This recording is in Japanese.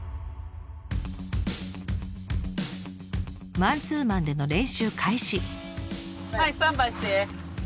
マンツーマンでの練習開始。